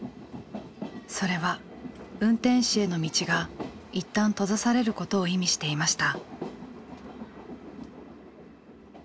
それは運転士への道が一旦閉ざされることを意味していました。